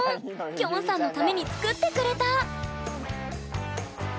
きょんさんのために作ってくれた！